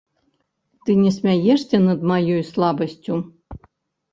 Ты не смяешся над маёй слабасцю.